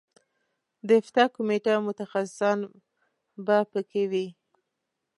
د افتا کمیټه متخصصان به په کې وي.